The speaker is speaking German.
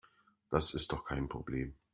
Das ist doch kein Problem.